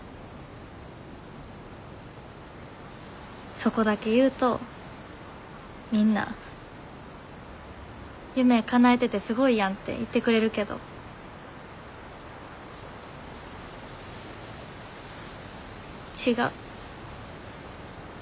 そこだけ言うとみんな「夢かなえててすごいやん」って言ってくれるけど違う。